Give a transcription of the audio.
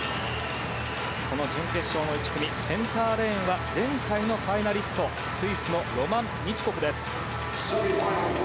準決勝の１組センターレーンは前回のファイナリスト、スイスのロマン・ミチュコフです。